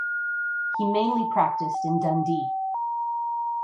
He mainly practiced in Dundee.